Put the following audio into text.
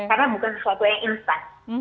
karena bukan sesuatu yang instan